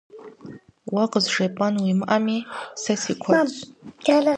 Уэ къызжепӀэн уимыӀэми, сэ си куэдщ.